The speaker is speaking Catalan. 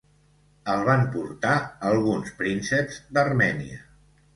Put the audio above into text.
El van portar alguns prínceps d'Armènia.